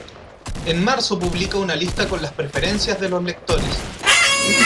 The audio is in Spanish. En marzo publica una lista con las preferencias de los lectores.